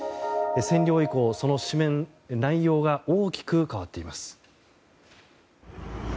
占領以降、その紙面内容が大きく変わっています。